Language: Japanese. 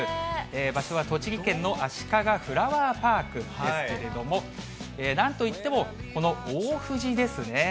場所は栃木県のあしかがフラワーパークですけれども、なんといってもこの大藤ですね。